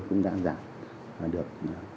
cũng đã giảm